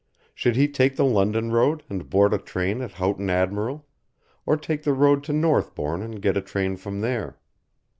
Should he take the London road and board a train at Houghton Admiral, or take the road to Northbourne and get a train from there?